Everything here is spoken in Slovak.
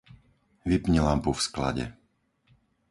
Vypni lampu v sklade.